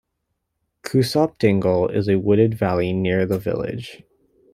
Cusop Dingle is a wooded valley near the village.